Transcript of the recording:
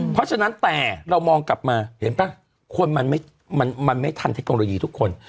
เพราะฉะนั้นแต่เรามองกลับมาเห็นป่ะคนมันไม่ทันเทคโนโลยีทุกคน